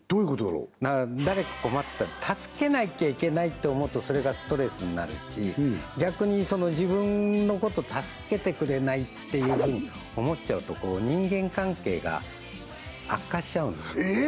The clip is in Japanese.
だから誰か困ってたら助けなきゃいけないって思うとそれがストレスになるし逆に自分のこと助けてくれないっていうふうに思っちゃうと人間関係が悪化しちゃうんですえ！？